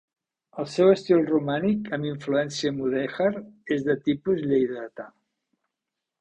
El seu estil romànic amb influència mudèjar és de tipus lleidatà.